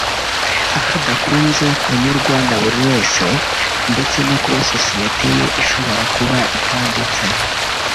ahadakunze kunyurwa na buri wese no kuba sosiyete ye ishobora kuba itanditse